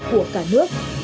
của cả nước